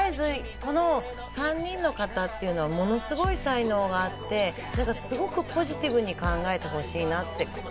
この３人の方っていうのは、ものすごい才能があって、すごくポジティブに考えてほしいなって。